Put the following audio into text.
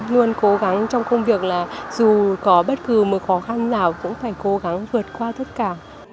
luôn cố gắng trong công việc là dù có bất cứ một khó khăn nào cũng phải cố gắng vượt qua tất cả